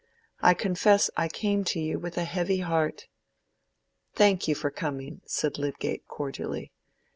I confess I came to you with a heavy heart." "Thank you for coming," said Lydgate, cordially.